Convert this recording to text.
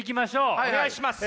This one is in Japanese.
お願いします。